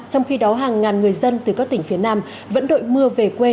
trong khi đó hàng ngàn người dân từ các tỉnh phía nam vẫn đội mưa về quê